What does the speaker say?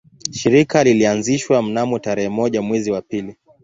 Shirika lilianzishwa mnamo tarehe moja mwezi wa pili